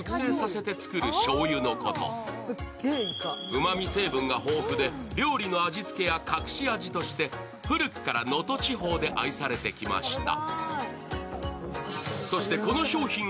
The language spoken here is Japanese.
うま味成分が豊富で料理の味付けや隠し味として古くから能登地方で愛されてきました。